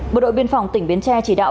bộ đội biên phòng tỉnh biến tre chỉ đạo